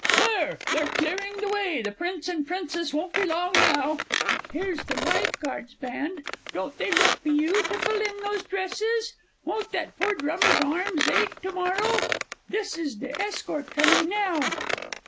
There they're clearing the way the Prince and Princess won't be long now. Here's the Life Guards' Band don't they look byootiful in those dresses? Won't that poor drummer's arms ache to morrow? This is the escort coming now....